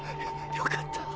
よかった。